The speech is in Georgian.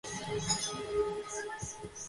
ცილინდრული კამარა გრძივ კედლებს ეყრდნობა.